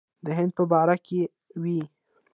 د هند په باره کې وې.